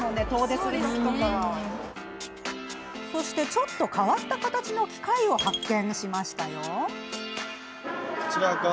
ちょっと変わった形の機械を発見。